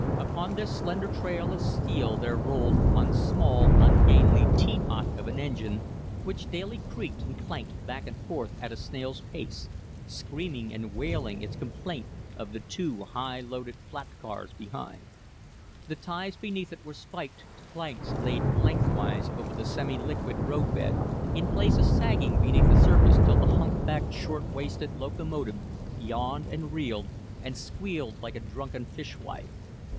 Upon this slender trail of steel there rolled one small, ungainly teapot of an engine which daily creaked and clanked back and forth at a snail's pace, screaming and wailing its complaint of the two high loaded flat cars behind. The ties beneath it were spiked to planks laid lengthwise over the semi liquid road bed, in places sagging beneath the surface till the humpbacked, short waisted locomotive yawed and reeled and squealed like a drunken fish wife.